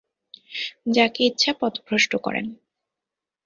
যাকে ইচ্ছা পথভ্রষ্ট করেন।